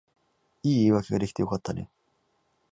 いい言い訳が出来てよかったね